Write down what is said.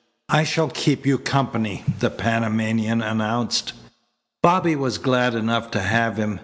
"I shall keep you company," the Panamanian announced. Bobby was glad enough to have him.